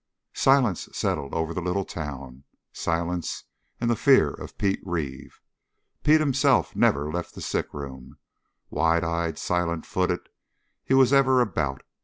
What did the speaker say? Silence settled over the little town silence and the fear of Pete Reeve. Pete himself never left the sickroom. Wide eyed, silent footed, he was ever about.